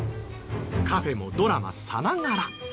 カフェもドラマさながら。